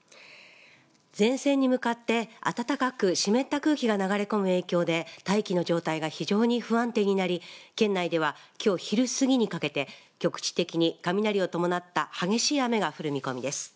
前線に向かって、暖かく湿った空気が流れ込む影響で大気の状態が非常に不安定になり県内ではきょう昼過ぎにかけて局地的に雷を伴った激しい雨が降る見込みです。